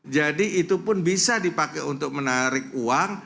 jadi itu pun bisa dipakai untuk menarik uang